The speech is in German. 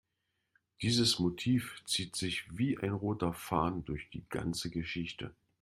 Dieses Motiv zieht sich wie ein roter Faden durch die ganze Geschichte.